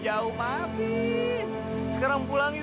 tini gak mau pulang